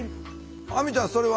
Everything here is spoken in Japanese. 亜美ちゃんそれは？